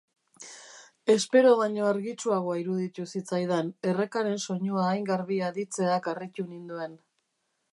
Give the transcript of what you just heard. Espero baino argitsuagoa iruditu zitzaidan, errekaren soinua hain garbi aditzeak harritu ninduen.